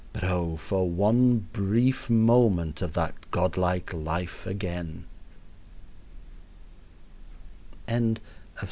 But oh for one brief moment of that god like life again! ON BEING SHY.